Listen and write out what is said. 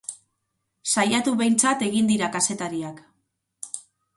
Saiatu behintzat egin dira kazetariak!